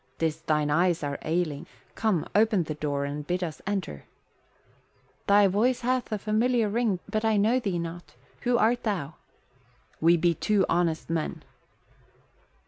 "'Tis thine eyes are ailing. Come, open the door and bid us enter." "Thy voice hath a familiar ring but I know thee not. Who art thou?" "We be two honest men."